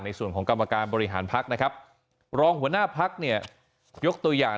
ในส่วนของกรรมการบริหารพักนะครับรองหัวหน้าพักเนี่ยยกตัวอย่าง